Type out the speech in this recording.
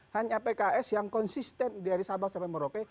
hanya pks yang konsisten dari sabang sampai merauke